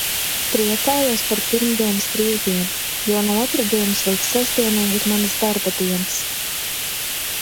Priecājos par pirmdienas brīvdienu, jo no otrdienas līdz sestdienai ir manas darba dienas.